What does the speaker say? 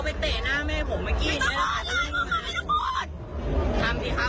พี่เรียกเลยครับพี่เรียกเลย